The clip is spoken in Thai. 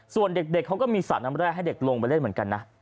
ส่วนเด็กเขาก็มีสระน้ำแรกให้เด็กลงไปเล่นเหมือนกันนะ